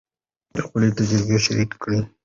خپلې تجربې شریکې کړئ.